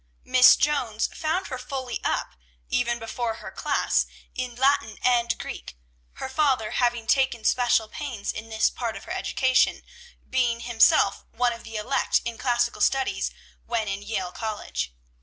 Miss Jones found her fully up, even before her class, in Latin and Greek; her father having taken special pains in this part of her education, being himself one of the elect in classical studies when in Yale College.